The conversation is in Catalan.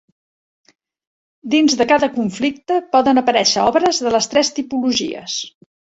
Dins de cada conflicte poden aparèixer obres de les tres tipologies.